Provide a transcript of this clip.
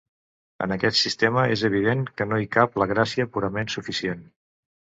En aquest sistema, és evident que no hi cap la gràcia purament suficient.